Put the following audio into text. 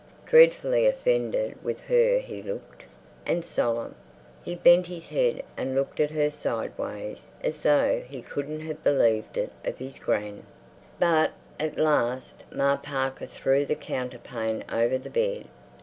Dreadfully offended with her he looked—and solemn. He bent his head and looked at her sideways as though he couldn't have believed it of his gran. But at the last... Ma Parker threw the counterpane over the bed.